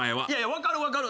分かる分かる。